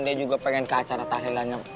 dia juga pengen ke acara tahlilannya